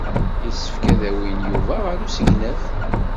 Yessefk ad awin Yuba ɣer usegnaf.